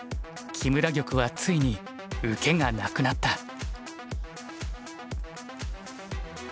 木村玉はついに受けがなくなった。